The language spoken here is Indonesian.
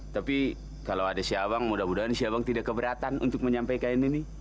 tapi kalau ada cabang mudah mudahan si abang tidak keberatan untuk menyampaikan ini